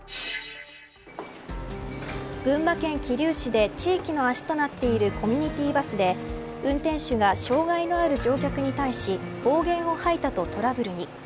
群馬県桐生市で地域の足となっているコミュニティーバスで運転手が障害のある乗客に対し暴言を吐いたとトラブルに。